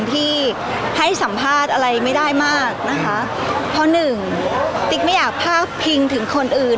ที่ให้สัมภาษณ์อะไรไม่ได้มากนะคะเพราะหนึ่งติ๊กไม่อยากพาดพิงถึงคนอื่น